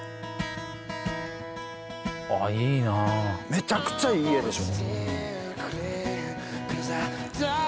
めちゃくちゃいい画でしょ